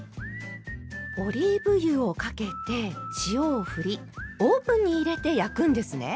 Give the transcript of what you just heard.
オリーブ油をかけて塩をふりオーブンに入れて焼くんですね。